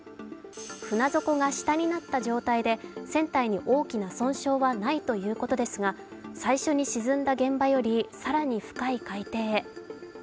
船底が下になった状態で船体に大きな損傷はないということですが最初に沈んだ現場より更に深い海底へ。